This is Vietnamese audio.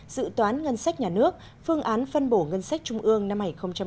dự toán ngân sách nhà nước phương án phân bổ ngân sách trung ương năm hai nghìn hai mươi